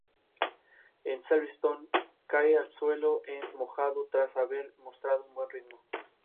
Su parte inferior tenía tres aberturas que permitían montar a caballo con comodidad.